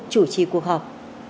chủ trì cuộc họp